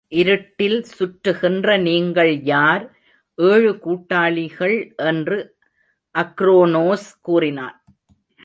இருட்டில் சுற்றுகின்ற நீங்கள் யார்! ஏழு கூட்டாளிகள் என்று அக்ரோனோஸ் கூறினான்.